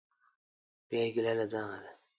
بیا یې ګیله له ځانه ده.